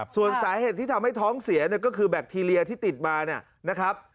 ส่วนสาเหตุที่ทำให้ท้องเสียเนี่ยก็คือแบคทีเรียที่ติดมาเนี่ยนะครับ